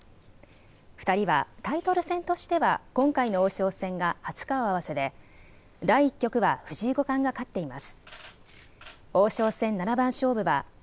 ２人はタイトル戦としては今回の王将戦が初顔合わせで第１局は藤井五冠が勝っています。